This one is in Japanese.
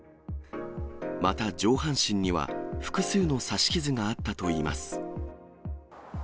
また、上半身には複数の刺し傷があったといいます。